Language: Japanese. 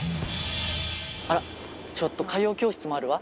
あらちょっと歌謡教室もあるわ。